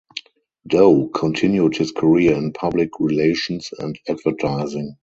Dow continued his career in public relations and advertising.